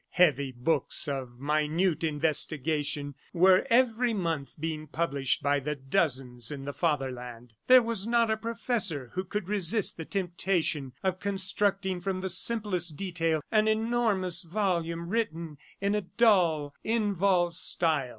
Heavy books of minute investigation were every month being published by the dozens in the Fatherland. There was not a professor who could resist the temptation of constructing from the simplest detail an enormous volume written in a dull, involved style.